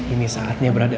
ini saatnya berada